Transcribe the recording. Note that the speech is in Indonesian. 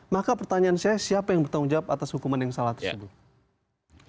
maka pertanyaan saya siapa yang bertanggung jawab atas hukuman yang salah tersebut